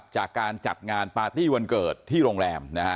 จากการจัดงานปาร์ตี้วันเกิดที่โรงแรมนะฮะ